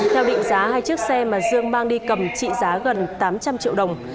theo định giá hai chiếc xe mà dương mang đi cầm trị giá gần tám trăm linh triệu đồng